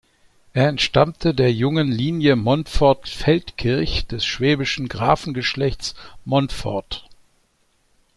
Er entstammte der jungen Linie Montfort-Feldkirch des schwäbischen Grafengeschlechts Montfort.